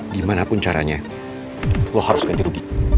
dimanapun caranya lo harus ganti rugi